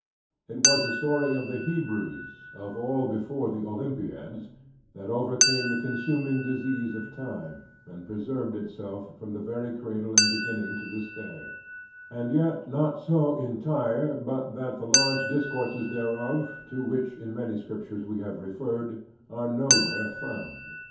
It was the story of the Hebrews, of all before the Olympiads, that overcame the consuming disease of time, and preserved itself, from the very cradle and beginning to this day: and yet not so entire, but that the large discourses thereof (to which in many Scriptures we are referred) are nowhere found.